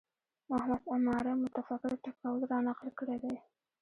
محمد عماره متفکر ټکول رانقل کړی دی